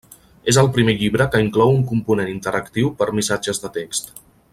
És el primer llibre que inclou un component interactiu per a missatges de text.